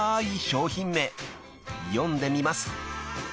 ［読んでみます］